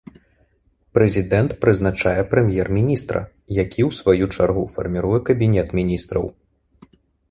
Прэзідэнт прызначае прэм'ер-міністра, які ў сваю чаргу фарміруе кабінет міністраў.